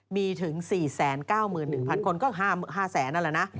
มีถึง๔๙๑๐๐๐คนก็๕๐๐๐อัลละน่ะ